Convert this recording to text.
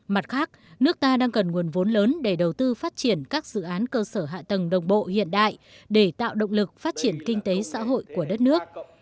mặt khác nước ta đang cần nguồn vốn lớn để đầu tư phát triển các dự án cơ sở hạ tầng đồng bộ hiện đại để tạo động lực phát triển kinh tế xã hội của đất nước